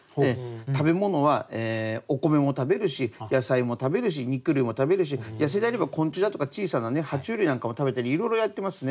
食べ物はお米も食べるし野菜も食べるし肉類も食べるし野生であれば昆虫だとか小さな爬虫類なんかも食べたりいろいろやってますね。